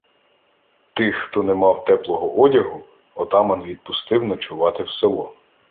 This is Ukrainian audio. Тих, хто не мав теплого одягу, отаман відпустив ночувати в село.